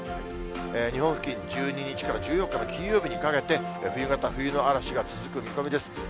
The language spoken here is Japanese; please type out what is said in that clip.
日本付近、１２日から１４日の金曜日にかけて、冬型、冬の嵐が続く見込みです。